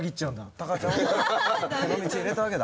たかちゃんをこの道に入れたわけだ。